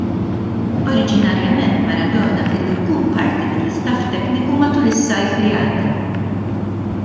Oriġinarjament Maradona kellu jkun parti mill-istaff tekniku matul is-sajf li għadda.